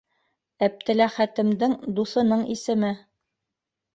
Әптеләхәтемдең дуҫының исеме...